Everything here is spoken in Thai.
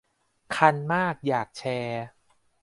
คันมากอยากแชร์